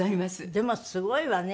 でもすごいわね。